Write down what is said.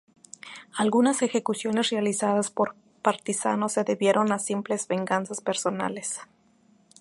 Algunas ejecuciones realizadas por partisanos se debieron a simples venganzas personales.